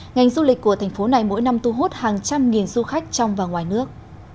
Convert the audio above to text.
ngành du lịch của thành phố này mỗi năm tu hút hàng trăm nghìn du khách trong và ngoài nước